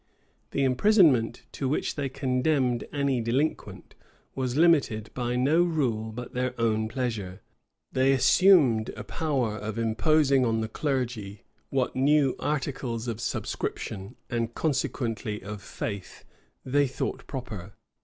The imprisonment to which they condemned any delinquent, was limited by no rule but their own pleasure. They assumed a power of imposing on the clergy what new articles of subscription, and consequently of faith, they thought proper.